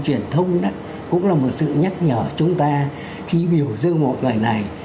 truyền thông cũng là một sự nhắc nhở chúng ta khi biểu dư một người này